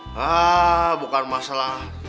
nah bukan masalah